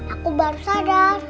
aku baru sadar